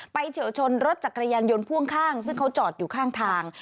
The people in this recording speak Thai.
เฉียวชนรถจักรยานยนต์พ่วงข้างซึ่งเขาจอดอยู่ข้างทาง